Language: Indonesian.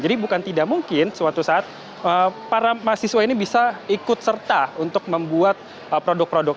jadi bukan tidak mungkin suatu saat para mahasiswa ini bisa ikut serta untuk membuat produk produk